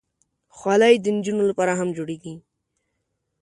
خولۍ د نجونو لپاره هم جوړېږي.